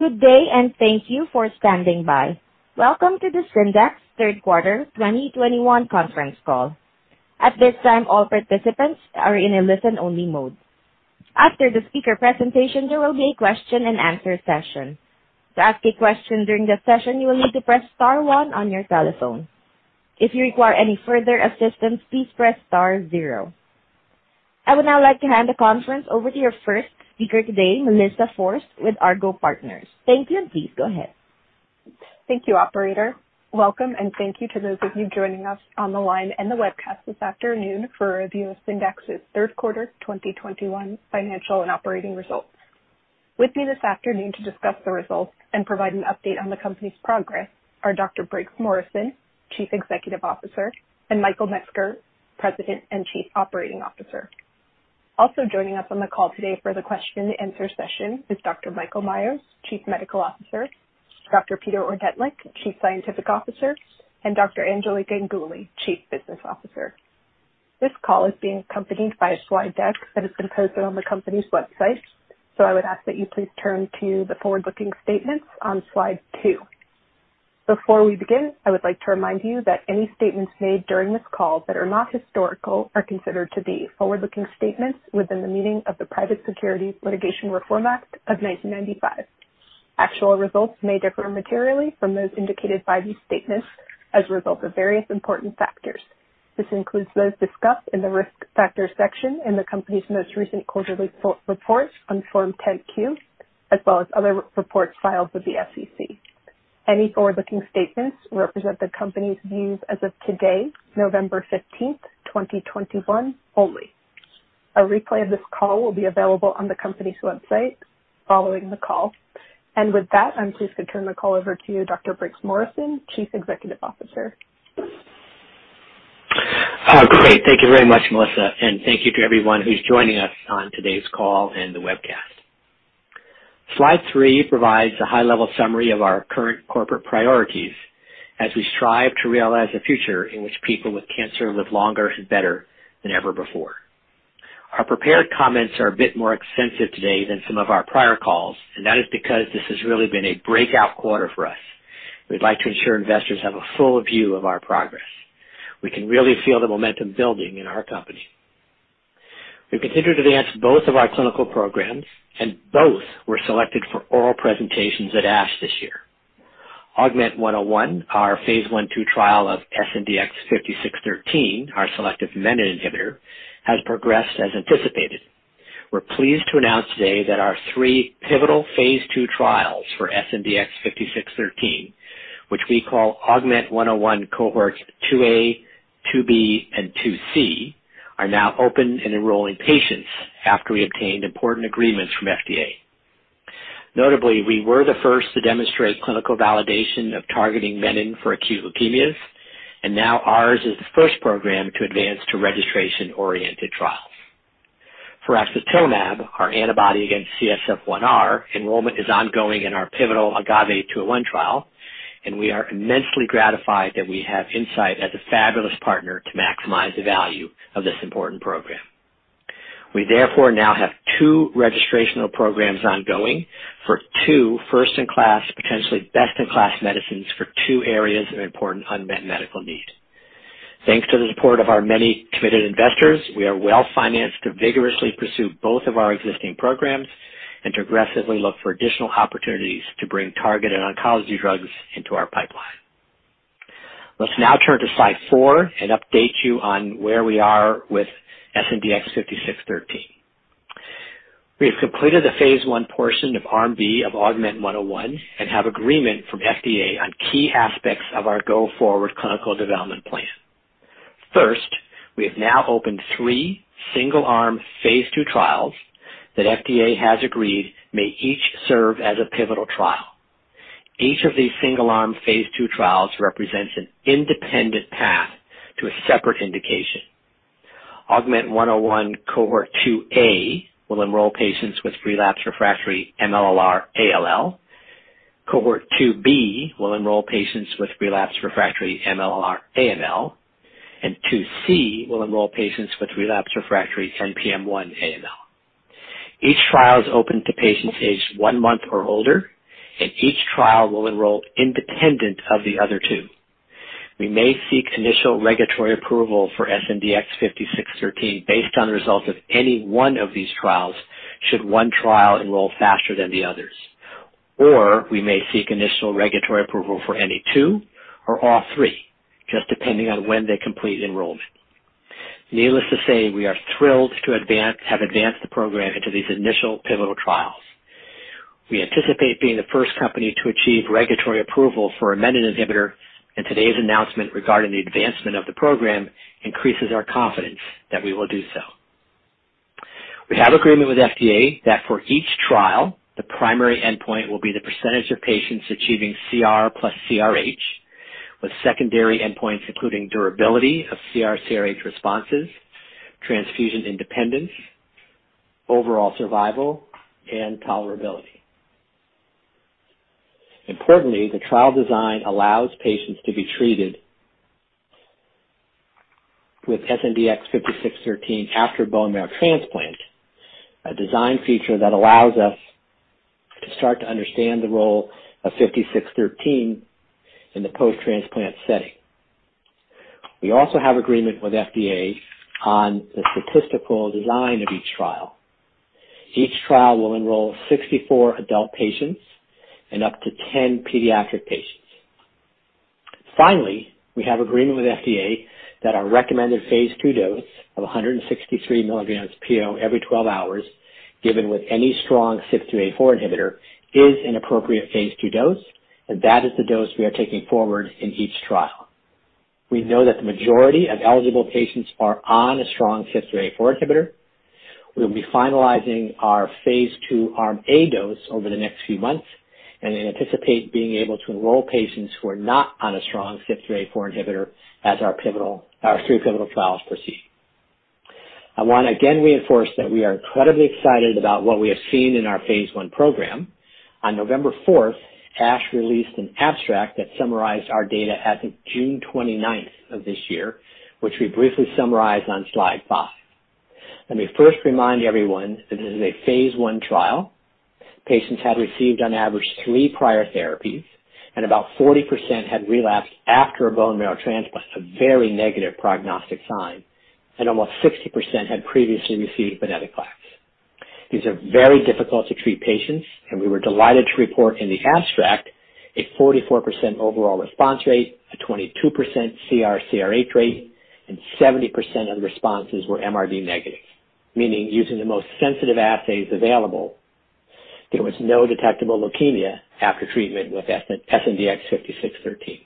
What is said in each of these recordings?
Good day, thank you for standing by. Welcome to the Syndax third quarter 2021 conference call. At this time, all participants are in a listen-only mode. After the speaker presentation, there will be a question-and-answer session. To ask a question during this session, you will need to press star one on your telephone. If you require any further assistance, please press star zero. I would now like to hand the conference over to your first speaker today, Melissa Forst with Argot Partners. Thank you, and please go ahead. Thank you, operator. Welcome, and thank you to those of you joining us on the line and the webcast this afternoon for a review of Syndax's third quarter 2021 financial and operating results. With me this afternoon to discuss the results and provide an update on the company's progress are Dr. Briggs Morrison, Chief Executive Officer, and Michael Metzger, President and Chief Operating Officer. Also joining us on the call today for the question-and-answer session is Dr. Michael Meyers, Chief Medical Officer, Dr. Peter Ordentlich, Chief Scientific Officer, and Dr. Anjali Ganguli, Chief Business Officer. This call is being accompanied by a slide deck that has been posted on the company's website. I would ask that you please turn to the forward-looking statements on slide two. Before we begin, I would like to remind you that any statements made during this call that are not historical are considered to be forward-looking statements within the meaning of the Private Securities Litigation Reform Act of 1995. Actual results may differ materially from those indicated by these statements as a result of various important factors. This includes those discussed in the Risk Factors section in the company's most recent quarterly report on Form 10-Q, as well as other reports filed with the SEC. Any forward-looking statements represent the company's views as of today, November 15th, 2021, only. A replay of this call will be available on the company's website following the call. With that, I'm pleased to turn the call over to you, Dr. Briggs Morrison, Chief Executive Officer. Great. Thank you very much, Melissa. Thank you to everyone who's joining us on today's call and the webcast. Slide three provides a high-level summary of our current corporate priorities as we strive to realize a future in which people with cancer live longer and better than ever before. Our prepared comments are a bit more extensive today than some of our prior calls, and that is because this has really been a breakout quarter for us. We'd like to ensure investors have a full view of our progress. We can really feel the momentum building in our company. We've continued to advance both of our clinical programs, and both were selected for oral presentations at ASH this year. AUGMENT-101, our phase I/II trial of SNDX-5613, our selective menin inhibitor, has progressed as anticipated. We're pleased to announce today that our three pivotal phase II trials for SNDX-5613, which we call AUGMENT-101 cohorts 2A, 2B, and 2C, are now open and enrolling patients after we obtained important agreements from FDA. Notably, we were the first to demonstrate clinical validation of targeting Menin for acute leukemias, and now ours is the first program to advance to registration-oriented trials. For axatilimab, our antibody against CSF1R, enrollment is ongoing in our pivotal AGAVE-201 trial, and we are immensely gratified that we have Incyte as a fabulous partner to maximize the value of this important program. We therefore now have two registrational programs ongoing for two first-in-class, potentially best-in-class medicines for two areas of important unmet medical need. Thanks to the support of our many committed investors, we are well-financed to vigorously pursue both of our existing programs and to aggressively look for additional opportunities to bring targeted oncology drugs into our pipeline. Let's now turn to slide four and update you on where we are with SNDX-5613. We have completed the phase I portion of Arm B of Augment-101 and have agreement from FDA on key aspects of our go-forward clinical development plan. First, we have now opened three single-arm phase II trials that FDA has agreed may each serve as a pivotal trial. Each of these single-arm phase II trials represents an independent path to a separate indication. Augment-101 cohort 2A will enroll patients with relapsed/refractory MLL-r ALL. Cohort 2B will enroll patients with relapsed/refractory MLL-r AML. Arm 2C will enroll patients with relapsed/refractory NPM1-mutated AML. Each trial is open to patients aged one month or older, and each trial will enroll independent of the other two. We may seek initial regulatory approval for SNDX-5613 based on the results of any one of these trials, should one trial enroll faster than the others. We may seek initial regulatory approval for any two or all three, just depending on when they complete enrollment. Needless to say, we are thrilled to have advanced the program into these initial pivotal trials. We anticipate being the first company to achieve regulatory approval for a Menin inhibitor, and today's announcement regarding the advancement of the program increases our confidence that we will do so. We have agreement with FDA that for each trial, the primary endpoint will be the percentage of patients achieving CR plus CRH, with secondary endpoints including durability of CR/CRH responses, transfusion independence, overall survival, and tolerability. Importantly, the trial design allows patients to be treated with SNDX-5613 after bone marrow transplant, a design feature that allows us to start to understand the role of SNDX-5613 in the post-transplant setting. We also have agreement with FDA on the statistical design of each trial. Each trial will enroll 64 adult patients and up to 10 pediatric patients. Finally, we have agreement with FDA that our recommended phase II dose of 163 mg PO every 12 hours, given with any strong CYP3A4 inhibitor, is an appropriate phase II dose, and that is the dose we are taking forward in each trial. We know that the majority of eligible patients are on a strong CYP3A4 inhibitor. We will be finalizing our phase II Arm A dose over the next few months and anticipate being able to enroll patients who are not on a strong CYP3A4 inhibitor as our three pivotal trials proceed. I want to again reinforce that we are incredibly excited about what we have seen in our phase I program. On November 4th, ASH released an abstract that summarized our data as of June 29th of this year, which we briefly summarize on slide five. Let me first remind everyone that this is a phase I trial. Patients had received on average three prior therapies and about 40% had relapsed after a bone marrow transplant, a very negative prognostic sign, and almost 60% had previously received venetoclax. These are very difficult to treat patients, and we were delighted to report in the abstract a 44% overall response rate, a 22% CR/CRh rate, and 70% of the responses were MRD negative, meaning using the most sensitive assays available, there was no detectable leukemia after treatment with SNDX-5613.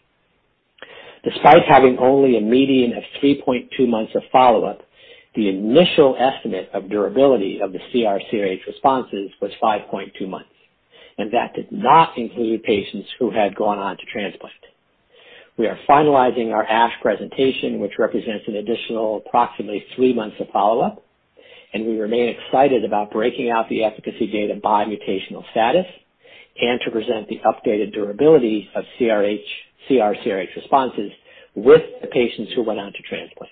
Despite having only a median of 3.2 months of follow-up, the initial estimate of durability of the CR/CRh responses was 5.2 months, and that did not include patients who had gone on to transplant. We are finalizing our ASH presentation, which represents an additional approximately three months of follow-up, and we remain excited about breaking out the efficacy data by mutational status and to present the updated durability of CRh, CR/CRh responses with the patients who went on to transplant.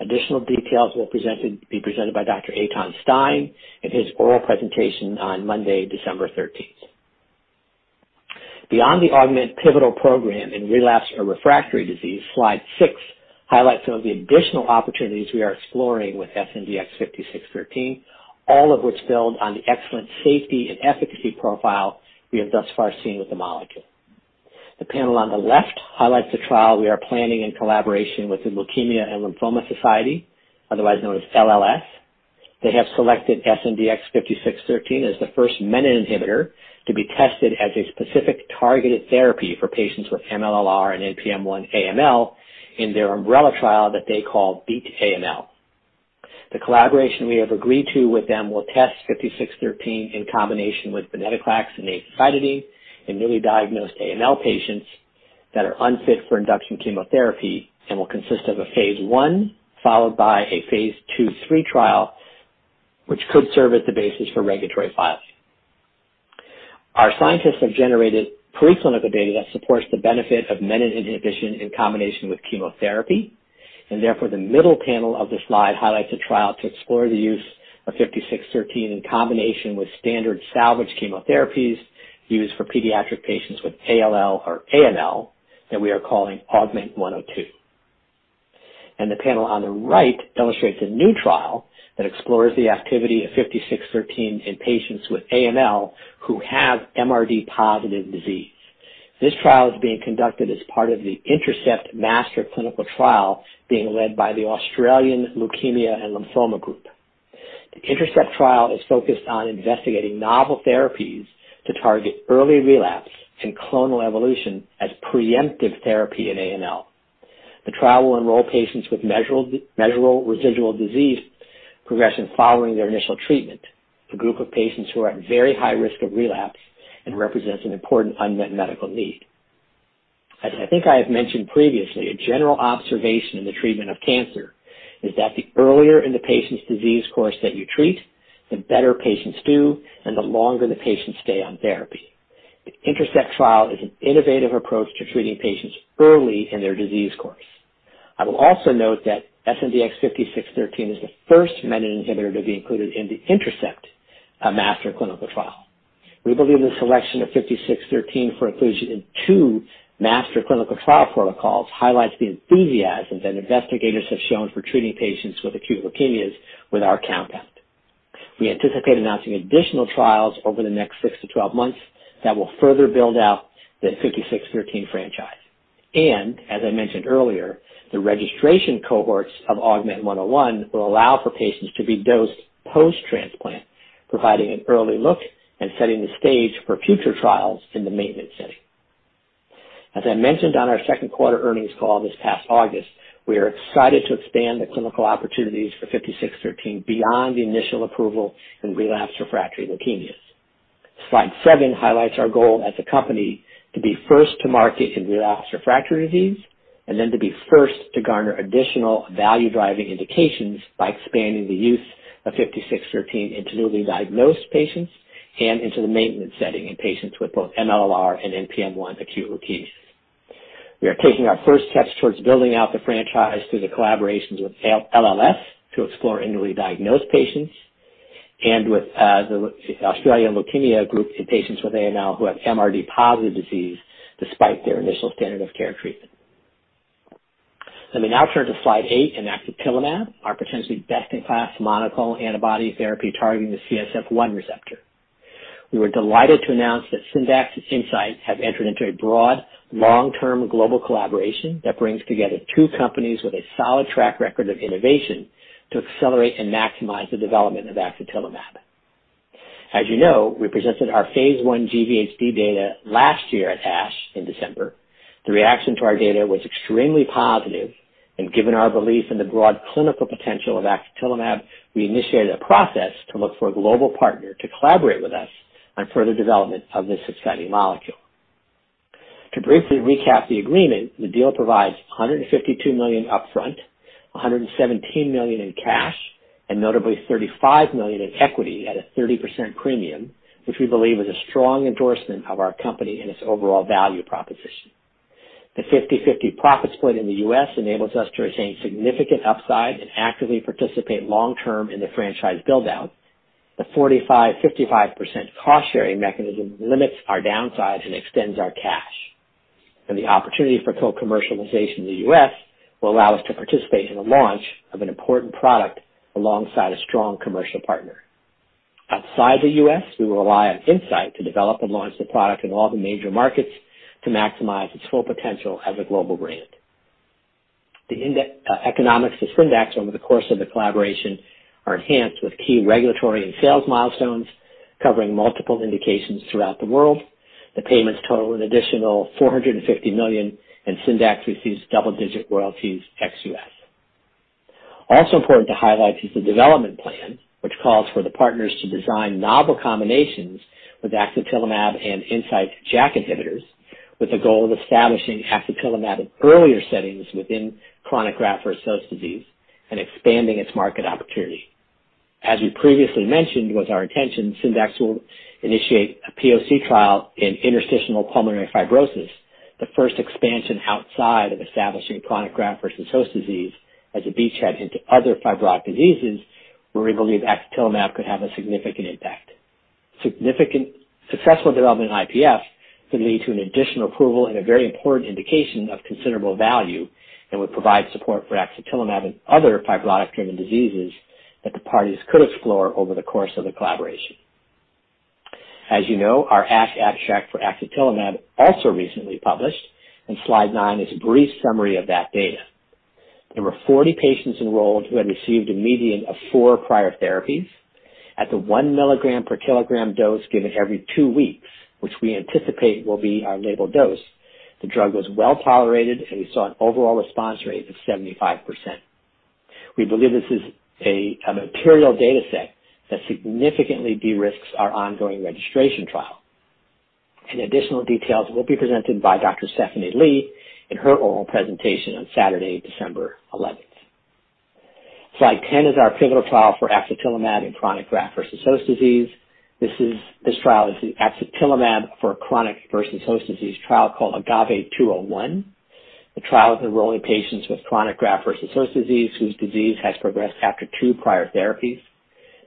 Additional details will be presented by Dr. Eytan Stein in his oral presentation on Monday, December 13th. Beyond the AUGMENT pivotal program in relapsed or refractory disease, slide six highlights some of the additional opportunities we are exploring with SNDX-5613, all of which build on the excellent safety and efficacy profile we have thus far seen with the molecule. The panel on the left highlights a trial we are planning in collaboration with the Leukemia and Lymphoma Society, otherwise known as LLS. They have selected SNDX-5613 as the first Menin inhibitor to be tested as a specific targeted therapy for patients with MLL-r and NPM1 AML in their umbrella trial that they call Beat AML. The collaboration we have agreed to with them will test SNDX-5613 in combination with venetoclax and azacitidine in newly diagnosed AML patients that are unfit for induction chemotherapy and will consist of a phase I followed by a phase II/III trial, which could serve as the basis for regulatory filings. Our scientists have generated preclinical data that supports the benefit of menin inhibition in combination with chemotherapy, and therefore the middle panel of the slide highlights a trial to explore the use of SNDX-5613 in combination with standard salvage chemotherapies used for pediatric patients with ALL or AML that we are calling AUGMENT-102. The panel on the right illustrates a new trial that explores the activity of SNDX-5613 in patients with AML who have MRD positive disease. This trial is being conducted as part of the INTERCEPT master clinical trial being led by the Australasian Leukaemia & Lymphoma Group. The INTERCEPT trial is focused on investigating novel therapies to target early relapse and clonal evolution as preemptive therapy in AML. The trial will enroll patients with measured, measurable residual disease progression following their initial treatment, a group of patients who are at very high risk of relapse and represents an important unmet medical need. As I think I have mentioned previously, a general observation in the treatment of cancer is that the earlier in the patient's disease course that you treat, the better patients do and the longer the patients stay on therapy. The INTERCEPT trial is an innovative approach to treating patients early in their disease course. I will also note that SNDX-5613 is the first Menin inhibitor to be included in the INTERCEPT master clinical trial. We believe the selection of SNDX-5613 for inclusion in two master clinical trial protocols highlights the enthusiasm that investigators have shown for treating patients with acute leukemias with our compound. We anticipate announcing additional trials over the next 6 to 12 months that will further build out the SNDX-5613 franchise. As I mentioned earlier, the registration cohorts of AUGMENT-101 will allow for patients to be dosed post-transplant, providing an early look and setting the stage for future trials in the maintenance setting. As I mentioned on our second quarter earnings call this past August, we are excited to expand the clinical opportunities for SNDX-5613 beyond the initial approval in relapsed refractory leukemias. Slide seven highlights our goal as a company to be first to market in relapsed refractory disease and then to be first to garner additional value-driving indications by expanding the use of SNDX-5613 into newly diagnosed patients and into the maintenance setting in patients with both MLL-r and NPM1 acute leukemias. We are taking our first steps towards building out the franchise through the collaborations with ALLG and LLS to explore newly diagnosed patients and with the Australasian Leukaemia & Lymphoma Group in patients with AML who have MRD positive disease despite their initial standard of care treatment. Let me now turn to slide eight and axatilimab, our potentially best-in-class monoclonal antibody therapy targeting the CSF1 receptor. We were delighted to announce that Syndax and Incyte have entered into a broad, long-term global collaboration that brings together two companies with a solid track record of innovation to accelerate and maximize the development of axatilimab. As you know, we presented our phase I GVHD data last year at ASH in December. The reaction to our data was extremely positive and given our belief in the broad clinical potential of axatilimab, we initiated a process to look for a global partner to collaborate with us on further development of this exciting molecule. To briefly recap the agreement, the deal provides $152 million upfront, $117 million in cash, and notably $35 million in equity at a 30% premium, which we believe is a strong endorsement of our company and its overall value proposition. The 50/50 profit split in the U.S. enables us to retain significant upside and actively participate long-term in the franchise build-out. The 45%-55% cost sharing mechanism limits our downside and extends our cash. The opportunity for co-commercialization in the U.S. will allow us to participate in the launch of an important product alongside a strong commercial partner. Outside the U.S., we will rely on Incyte to develop and launch the product in all the major markets to maximize its full potential as a global brand. The economics to Syndax over the course of the collaboration are enhanced with key regulatory and sales milestones covering multiple indications throughout the world. The payments total an additional $450 million, and Syndax receives double-digit royalties ex U.S. Also important to highlight is the development plan, which calls for the partners to design novel combinations with axatilimab and Incyte JAK inhibitors, with the goal of establishing axatilimab at earlier settings within chronic graft-versus-host disease and expanding its market opportunity. As we previously mentioned was our intention, Syndax will initiate a POC trial in idiopathic pulmonary fibrosis, the first expansion outside of establishing chronic graft-versus-host disease as a beachhead into other fibrotic diseases where we believe axatilimab could have a significant impact. Significant, successful development in IPF could lead to an additional approval and a very important indication of considerable value and would provide support for axatilimab in other fibrotic diseases that the parties could explore over the course of the collaboration. As you know, our ASH abstract for axatilimab also recently published, and slide nine is a brief summary of that data. There were 40 patients enrolled who had received a median of four prior therapies. At the 1 milligram per kilogram dose given every two weeks, which we anticipate will be our label dose, the drug was well-tolerated, and we saw an overall response rate of 75%. We believe this is a material data set that significantly de-risks our ongoing registration trial. Additional details will be presented by Dr. Stephanie Lee in her oral presentation on Saturday, December 11th. Slide 10 is our pivotal trial for axatilimab in chronic graft-versus-host disease. This trial is axatilimab for chronic graft-versus-host disease trial called AGAVE-201. The trial is enrolling patients with chronic graft-versus-host disease, whose disease has progressed after two prior therapies.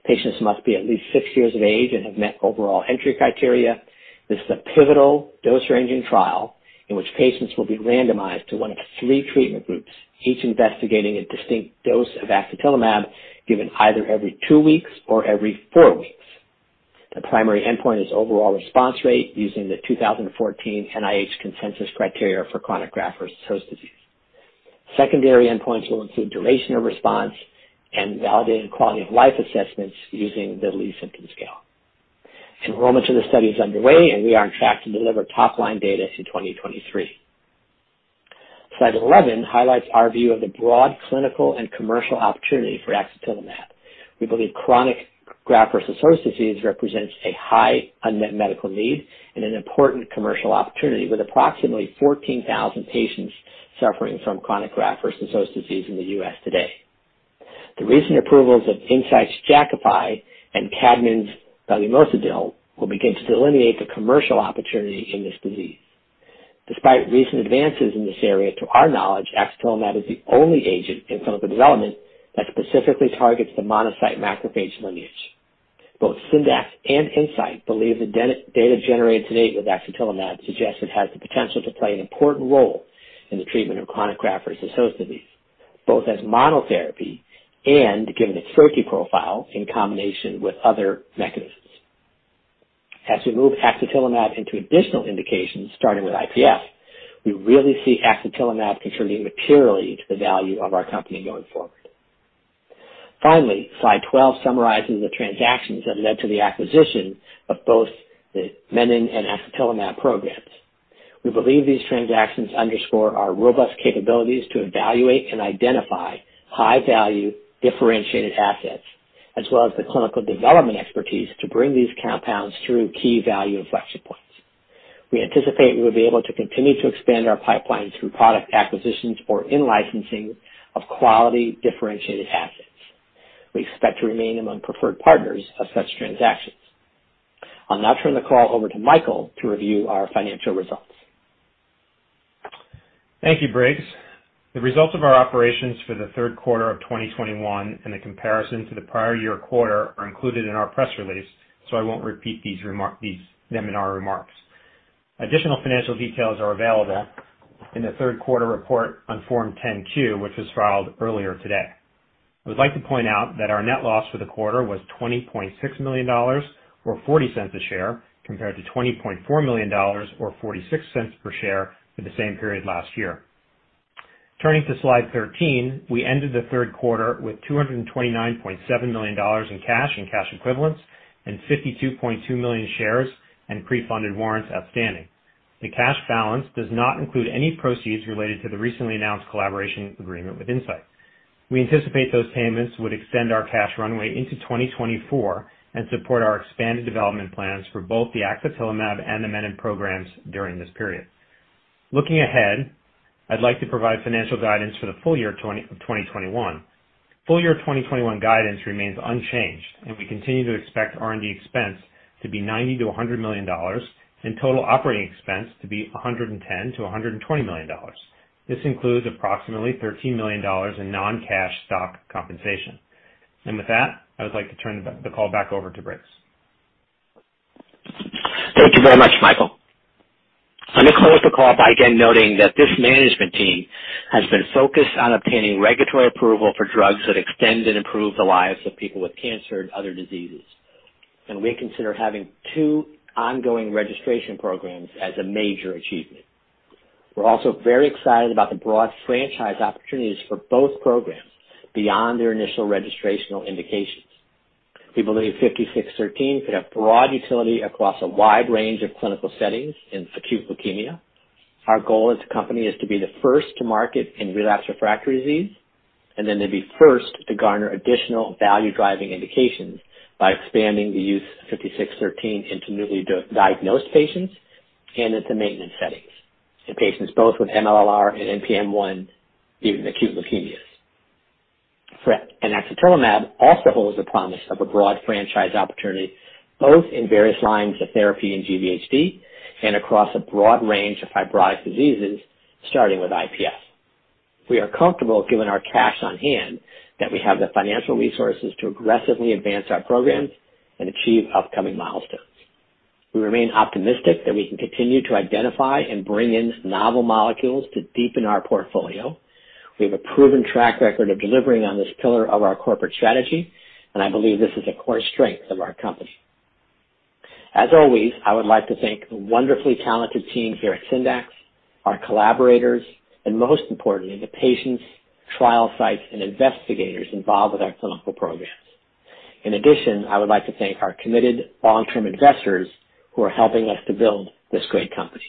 Patients must be at least six years of age and have met overall entry criteria. This is a pivotal dose ranging trial in which patients will be randomized to one of three treatment groups, each investigating a distinct dose of axatilimab, given either every two weeks or every four weeks. The primary endpoint is overall response rate using the 2014 NIH consensus criteria for chronic graft-versus-host disease. Secondary endpoints will include duration of response and validated quality of life assessments using the Lee Symptom Scale. Enrollment to the study is underway, and we are on track to deliver top-line data in 2023. Slide 11 highlights our view of the broad clinical and commercial opportunity for axatilimab. We believe chronic graft-versus-host disease represents a high unmet medical need and an important commercial opportunity with approximately 14,000 patients suffering from chronic graft-versus-host disease in the U.S. today. The recent approvals of Incyte's Jakafi and Kadmon's belumosudil will begin to delineate the commercial opportunity in this disease. Despite recent advances in this area, to our knowledge, axatilimab is the only agent in clinical development that specifically targets the monocyte macrophage lineage. Both Syndax and Incyte believe the data generated to date with axatilimab suggests it has the potential to play an important role in the treatment of chronic graft-versus-host disease, both as monotherapy and, given its safety profile, in combination with other mechanisms. As we move axatilimab into additional indications, starting with IPF, we really see axatilimab contributing materially to the value of our company going forward. Finally, slide 12 summarizes the transactions that led to the acquisition of both the menin and axatilimab programs. We believe these transactions underscore our robust capabilities to evaluate and identify high-value differentiated assets, as well as the clinical development expertise to bring these compounds through key value inflection points. We anticipate we will be able to continue to expand our pipeline through product acquisitions or in-licensing of quality differentiated assets. We expect to remain among preferred partners of such transactions. I'll now turn the call over to Michael to review our financial results. Thank you, Briggs. The results of our operations for the third quarter of 2021 and the comparison to the prior year quarter are included in our press release, so I won't repeat them in our remarks. Additional financial details are available in the third quarter report on Form 10-Q, which was filed earlier today. I would like to point out that our net loss for the quarter was $20.6 million or $0.40 per share, compared to $20.4 million or $0.46 per share for the same period last year. Turning to slide 13, we ended the third quarter with $229.7 million in cash and cash equivalents, and 52.2 million shares and pre-funded warrants outstanding. The cash balance does not include any proceeds related to the recently announced collaboration agreement with Incyte. We anticipate those payments would extend our cash runway into 2024 and support our expanded development plans for both the axatilimab and the menin programs during this period. Looking ahead, I'd like to provide financial guidance for the full year 2021. Full year 2021 guidance remains unchanged, and we continue to expect R&D expense to be $90 million-$100 million and total operating expense to be $110 million-$120 million. This includes approximately $13 million in non-cash stock compensation. With that, I would like to turn the call back over to Briggs. Thank you very much, Michael. I'm gonna close the call by again noting that this management team has been focused on obtaining regulatory approval for drugs that extend and improve the lives of people with cancer and other diseases. We consider having two ongoing registration programs as a major achievement. We're also very excited about the broad franchise opportunities for both programs beyond their initial registrational indications. We believe SNDX-5613 could have broad utility across a wide range of clinical settings in acute leukemia. Our goal as a company is to be the first to market in relapsed/refractory disease, and then to be first to garner additional value-driving indications by expanding the use of SNDX-5613 into newly diagnosed patients and into maintenance settings in patients both with MLL-r and NPM1 in acute leukemias. Axatilimab also holds the promise of a broad franchise opportunity, both in various lines of therapy in GVHD and across a broad range of fibrotic diseases, starting with IPF. We are comfortable, given our cash on hand, that we have the financial resources to aggressively advance our programs and achieve upcoming milestones. We remain optimistic that we can continue to identify and bring in novel molecules to deepen our portfolio. We have a proven track record of delivering on this pillar of our corporate strategy, and I believe this is a core strength of our company. As always, I would like to thank the wonderfully talented team here at Syndax, our collaborators, and most importantly, the patients, trial sites, and investigators involved with our clinical programs. In addition, I would like to thank our committed long-term investors who are helping us to build this great company.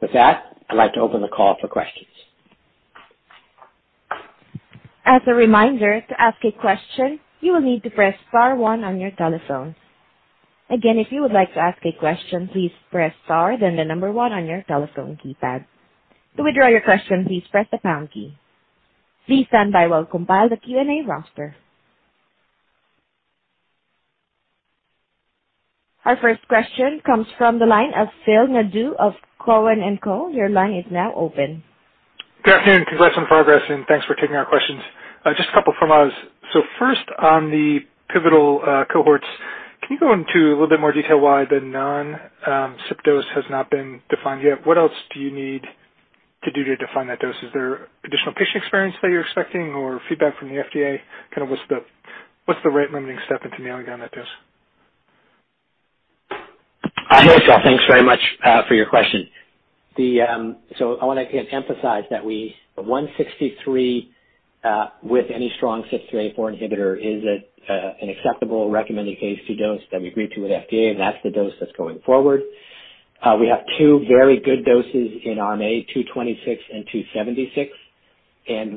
With that, I'd like to open the call for questions. Our first question comes from the line of Phil Nadeau of Cowen and Company. Your line is now open. Good afternoon. Congrats on progress, and thanks for taking our questions. Just a couple from us. First on the pivotal cohorts, can you go into a little bit more detail why the CYP dose has not been defined yet? What else do you need to do to define that dose? Is there additional patient experience that you're expecting or feedback from the FDA? Kind of what's the rate limiting step into nailing down that dose? Hi, Phil. Thanks very much for your question. I wanna again emphasize that the 163 with any strong CYP3A4 inhibitor is an acceptable recommended phase II dose that we agreed to with FDA, and that's the dose that's going forward. We have two very good doses in Arm A, 226 and 276.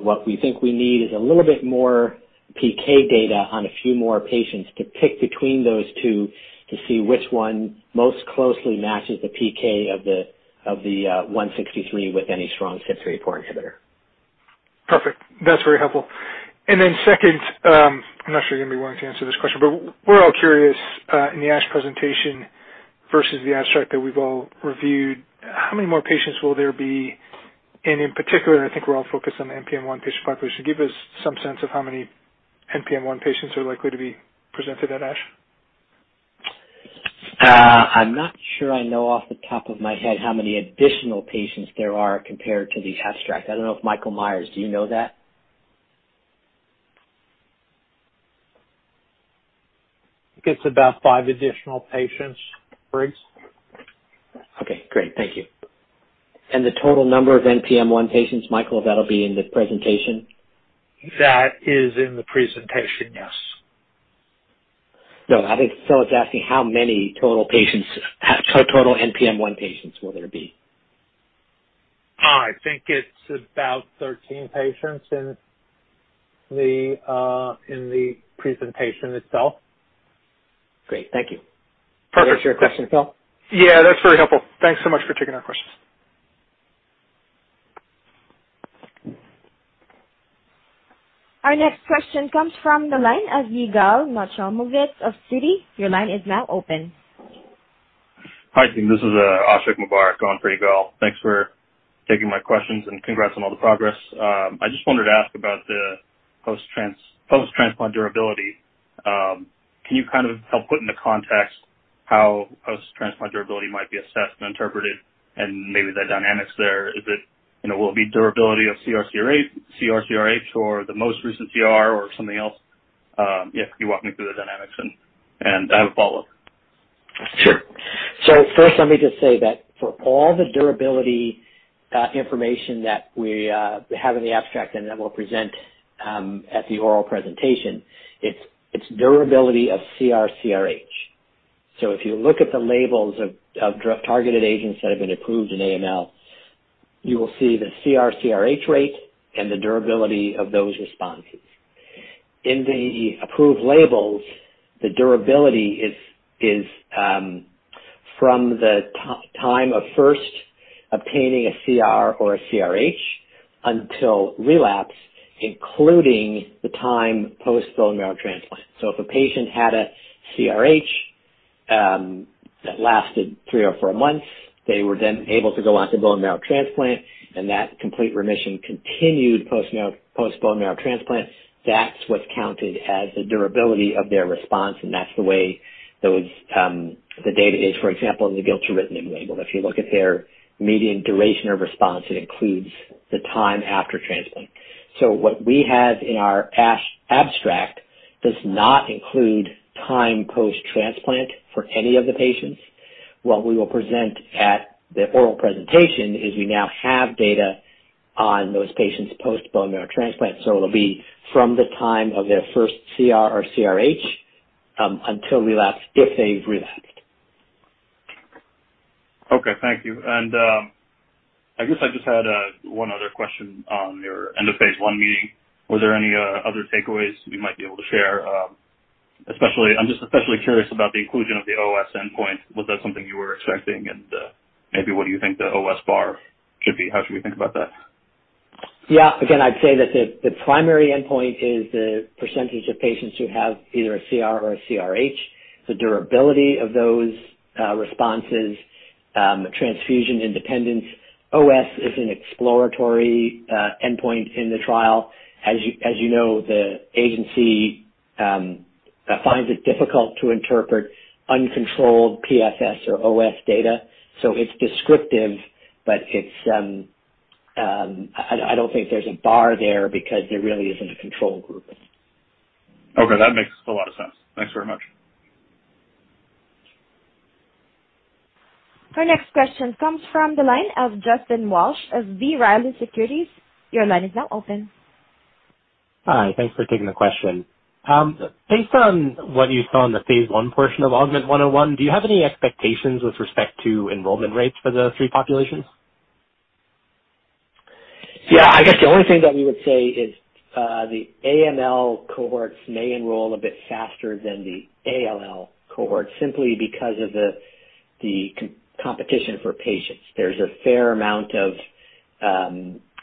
What we think we need is a little bit more PK data on a few more patients to pick between those two to see which one most closely matches the PK of the 163 with any strong CYP3A4 inhibitor. Perfect. That's very helpful. Second, I'm not sure you're gonna be willing to answer this question, but we're all curious, in the ASH presentation versus the abstract that we've all reviewed, how many more patients will there be? In particular, I think we're all focused on the NPM1 patient population. Give us some sense of how many NPM1 patients are likely to be presented at ASH. I'm not sure I know off the top of my head how many additional patients there are compared to the abstract. I don't know if Michael Meyers, do you know that? It's about five additional patients, Briggs. Okay, great. Thank you. The total number of NPM1 patients, Michael, that'll be in the presentation? That is in the presentation, yes. No, I think Phil is asking how many total patients, total NPM1 patients will there be. I think it's about 13 patients in the presentation itself. Great. Thank you. Perfect. Are those your questions, Phil? Yeah, that's very helpful. Thanks so much for taking our questions. Our next question comes from the line of Yigal Nochomovitz of Citi. Your line is now open. Hi, team. This is Anupam Rama on for Yigal. Thanks for taking my questions and congrats on all the progress. I just wanted to ask about the post-transplant durability. Can you kind of help put into context how post-transplant durability might be assessed and interpreted and maybe the dynamics there? Is it will it be durability of CR/CRh or the most recent CR or something else? If you could walk me through the dynamics and I have a follow-up. First, let me just say that for all the durability information that we have in the abstract and then we'll present at the oral presentation, it's durability of CR/CRH. If you look at the labels of drug-targeted agents that have been approved in AML, you will see the CR/CRH rate and the durability of those responses. In the approved labels, the durability is from the time of first obtaining a CR or a CRH until relapse, including the time post bone marrow transplant. If a patient had a CRH that lasted three or four months, they were then able to go on to bone marrow transplant and that complete remission continued post bone marrow transplant. That's what's counted as the durability of their response, and that's the way those the data is. For example, in the Gilteritinib label. If you look at their median duration of response, it includes the time after transplant. What we have in our ASH abstract does not include time post-transplant for any of the patients. What we will present at the oral presentation is we now have data on those patients post-bone marrow transplant, so it'll be from the time of their first CR or CRH until relapse, if they've relapsed. Okay. Thank you. I guess I just had one other question on your end of phase I meeting. Was there any other takeaways you might be able to share? Especially, I'm just especially curious about the inclusion of the OS endpoint. Was that something you were expecting? Maybe what do you think the OS bar should be? How should we think about that? Yeah. Again, I'd say that the primary endpoint is the percentage of patients who have either a CR or a CRH, the durability of those responses, transfusion independence. OS is an exploratory endpoint in the trial. As you know, the agency finds it difficult to interpret uncontrolled PFS or OS data. It's descriptive, but I don't think there's a bar there because there really isn't a control group. Okay. That makes a lot of sense. Thanks very much. Our next question comes from the line of Justin Zelin of B. Riley Securities. Your line is now open. Hi. Thanks for taking the question. Based on what you saw in the phase I portion of AUGMENT-101, do you have any expectations with respect to enrollment rates for the three populations? Yeah. I guess the only thing that we would say is the AML cohorts may enroll a bit faster than the ALL cohorts simply because of the competition for patients. There's a fair amount of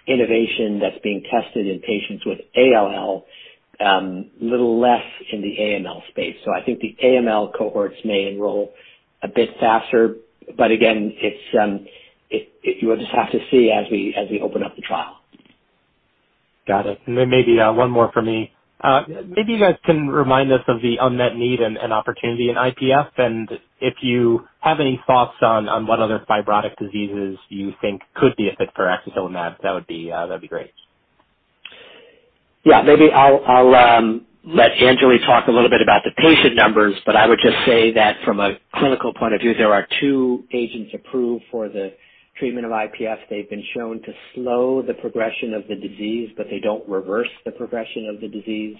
innovation that's being tested in patients with ALL, little less in the AML space. I think the AML cohorts may enroll a bit faster. But again, you will just have to see as we open up the trial. Got it. Maybe one more for me. Maybe you guys can remind us of the unmet need and opportunity in IPF. If you have any thoughts on what other fibrotic diseases you think could be a fit for axatilimab, that would be, that'd be great. Yeah. Maybe I'll let Anjali talk a little bit about the patient numbers, but I would just say that from a clinical point of view, there are two agents approved for the treatment of IPF. They've been shown to slow the progression of the disease, but they don't reverse the progression of the disease.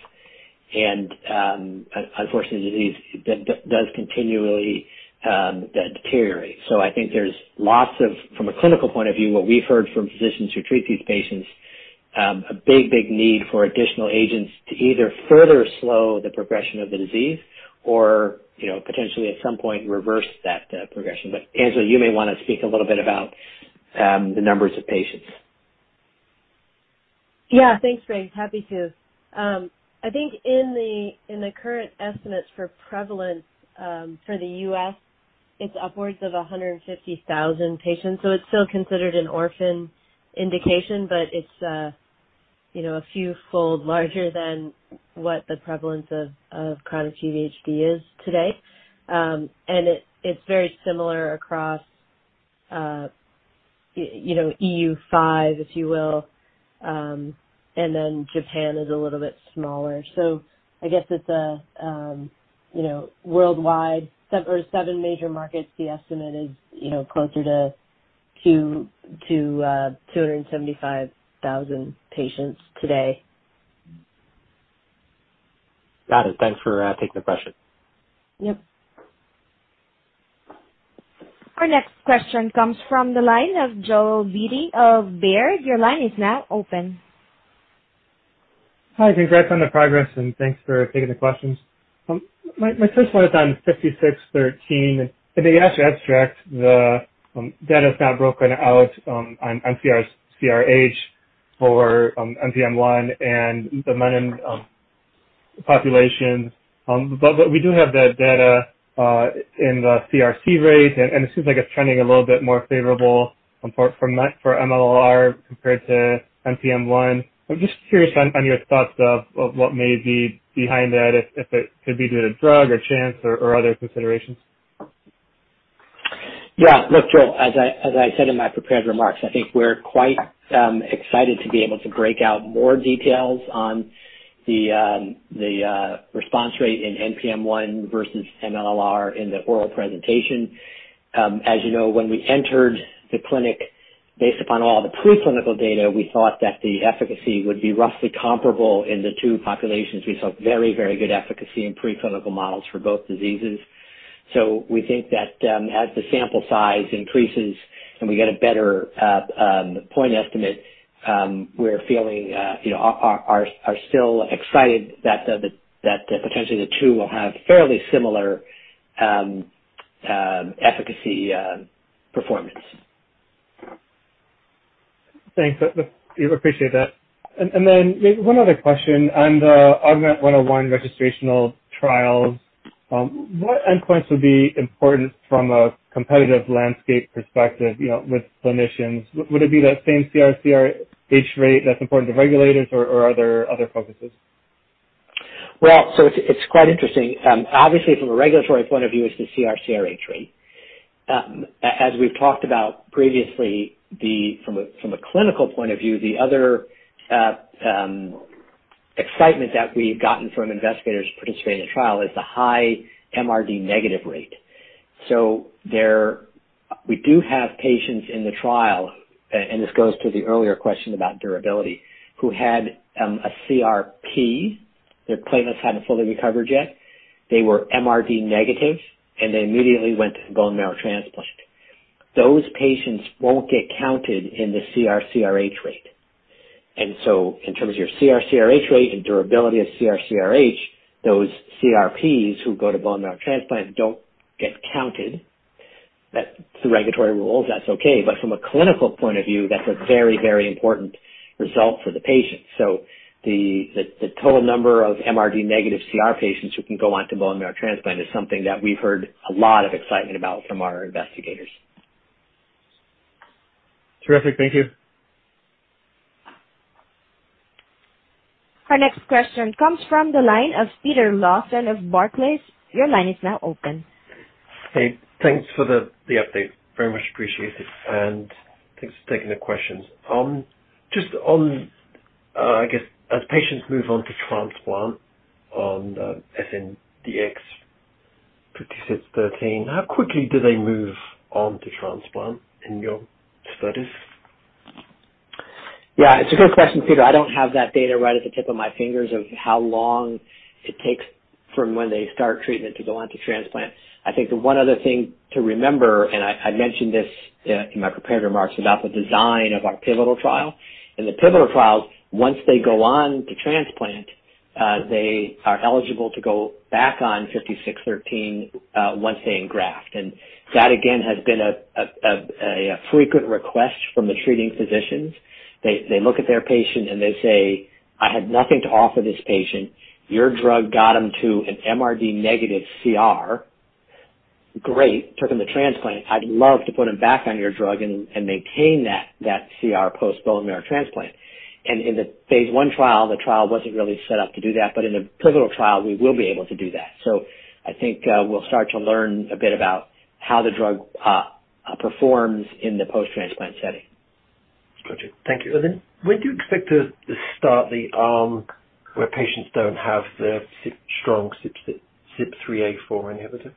Unfortunately, the disease does continually deteriorate. I think there's lots of, from a clinical point of view, what we've heard from physicians who treat these patients, a big need for additional agents to either further slow the progression of the disease or, you know, potentially at some point reverse that progression. But Anjali, you may wanna speak a little bit about the numbers of patients. Yeah. Thanks, [Briggs]. Happy to. I think in the current estimates for prevalence, for the U.S., it's upwards of 150,000 patients. It's still considered an orphan indication, but it's, you know, a few fold larger than what the prevalence of chronic GVHD is today. It's very similar across, you know, EU5, if you will. Japan is a little bit smaller. I guess it's a, you know, worldwide seven major markets, the estimate is, you know, closer to 200-275,000 patients today. Got it. Thanks for taking the question. Yep. Our next question comes from the line of Joel Beatty of Baird. Your line is now open. Hi. Congrats on the progress and thanks for taking the questions. My first one is on SNDX-5613. In the ASH abstract, the data is now broken out on CR, CRH for NPM1 and the Menin population. We do have that data in the CRc rate, and it seems like it's trending a little bit more favorable for MLL-r compared to NPM1. I'm just curious on your thoughts of what may be behind that if it could be due to drug or chance or other considerations. Yeah. Look, Joel, as I said in my prepared remarks, I think we're quite excited to be able to break out more details on the response rate in NPM1 versus MLL-r in the oral presentation. As you know, when we entered the clinic based upon all the preclinical data, we thought that the efficacy would be roughly comparable in the two populations. We saw very, very good efficacy in preclinical models for both diseases. We think that as the sample size increases and we get a better point estimate, we're still excited that potentially the two will have fairly similar efficacy performance. Thanks. We appreciate that. Maybe one other question on the AUGMENT-101 registrational trials, what endpoints would be important from a competitive landscape perspective, you know, with clinicians? Would it be that same CR/CRh rate that's important to regulators or are there other focuses? Well, it's quite interesting. Obviously from a regulatory point of view, it's the CR/CRh rate. As we've talked about previously, from a clinical point of view, the other excitement that we've gotten from investigators participating in the trial is the high MRD negative rate. We do have patients in the trial, and this goes to the earlier question about durability, who had a CRh. Their platelets hadn't fully recovered yet. They were MRD negative, and they immediately went to bone marrow transplant. Those patients won't get counted in the CR/CRh rate. In terms of your CR/CRh rate and durability of CR/CRh, those CRhs who go to bone marrow transplant don't get counted. That's the regulatory rules, that's okay. From a clinical point of view, that's a very, very important result for the patient. The total number of MRD negative CR patients who can go on to bone marrow transplant is something that we've heard a lot of excitement about from our investigators. Terrific. Thank you. Our next question comes from the line of Peter Lawson of Barclays. Your line is now open. Hey, thanks for the update. I very much appreciate it, and thanks for taking the questions. Just on, I guess as patients move on to transplant on SNDX-5613, how quickly do they move on to transplant in your studies? Yeah, it's a good question, Peter. I don't have that data right at the tip of my fingers of how long it takes from when they start treatment to go on to transplant. I think the one other thing to remember, and I mentioned this in my prepared remarks about the design of our pivotal trial. In the pivotal trial, once they go on to transplant, they are eligible to go back on SNDX-5613 once they engraft. That again has been a frequent request from the treating physicians. They look at their patient and they say, "I have nothing to offer this patient. Your drug got him to an MRD negative CR. Great, took him to transplant. I'd love to put him back on your drug and maintain that CR post bone marrow transplant." In the phase I trial, the trial wasn't really set up to do that, but in a pivotal trial we will be able to do that. I think we'll start to learn a bit about how the drug performs in the post-transplant setting. Gotcha. Thank you. When do you expect to start the arm where patients don't have the strong CYP3A4 inhibitor?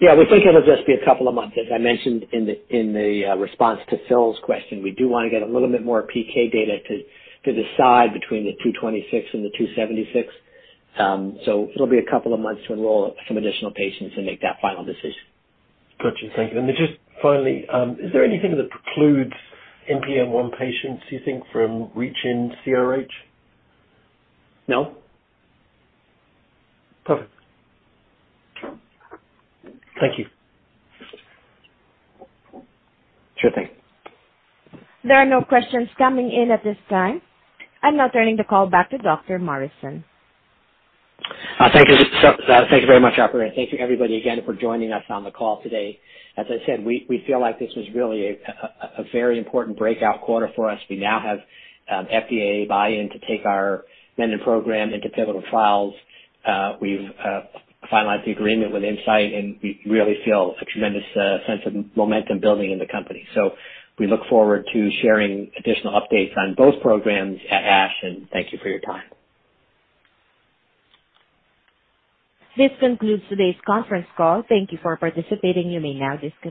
Yeah, we think it'll just be a couple of months. As I mentioned in the response to Phil's question, we do wanna get a little bit more PK data to decide between the 226 mg and the 276 mg. It'll be a couple of months to enroll some additional patients and make that final decision. Gotcha. Thank you. Just finally, is there anything that precludes NPM1 patients, do you think from reaching CRH? No. Perfect. Thank you. Sure thing. There are no questions coming in at this time. I'm now turning the call back to Dr. Morrison. Thank you. Thank you very much, operator. Thank you, everybody again for joining us on the call today. As I said, we feel like this was really a very important breakout quarter for us. We now have FDA buy-in to take our menin program into pivotal trials. We've finalized the agreement with Incyte, and we really feel a tremendous sense of momentum building in the company. We look forward to sharing additional updates on both programs at ASH, and thank you for your time. This concludes today's conference call. Thank you for participating. You may now disconnect.